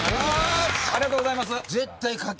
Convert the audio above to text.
ありがとうございます。